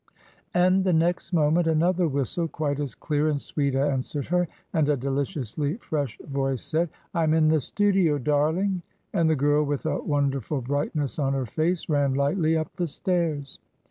And the next moment another whistle, quite as clear and sweet answered her, and a deliciously fresh voice said, "I am in the studio, darling." And the girl, with a wonderful brightness on her face, ran lightly up the stairs.